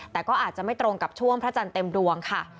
แต่ก็อาจจะไม่ตรงกับช่วงพระจันทร์เต็มดวงค่ะ